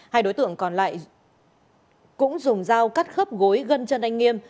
hai đối tượng còn lại cũng dùng dao cắt khớp gối gân chân anh nghiêm